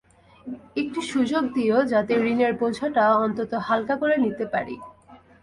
একটু সুযোগ দিয়ো, যাতে ঋণের বোঝাটা অন্তত হালকা করে নিতে পারি।